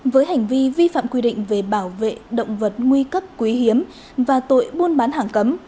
với hành vi vi phạm quy định về bảo vệ động vật nguy cấp quý hiếm và tội buôn bán hàng cấm